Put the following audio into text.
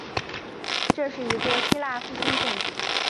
这是一座希腊复兴建筑。